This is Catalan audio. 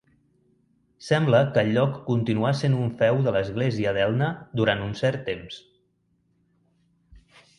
Sembla que el lloc continuà sent un feu de l'església d'Elna durant un cert temps.